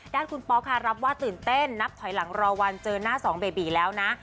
ด้านคุณป๊อกค่ะรับว่าตื่นเต้นนับถอยหลังรอวันเจอหน้าสองเบบีแล้วนะ